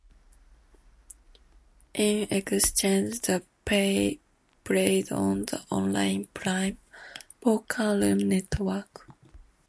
In exchange they played on the online Prima poker-room network.